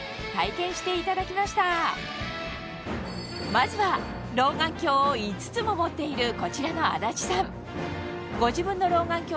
まずは老眼鏡を５つも持っているこちらの安達さん